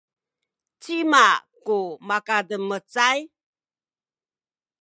cima ku makademecay?